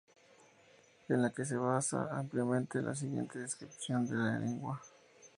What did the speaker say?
En la que se basa ampliamente la siguiente descripción de la lengua.